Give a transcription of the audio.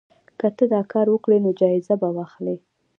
که ته دا کار وکړې نو جایزه به واخلې.